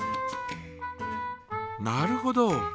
なるほど。